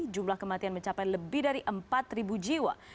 jumlah kematian mencapai lebih dari empat jiwa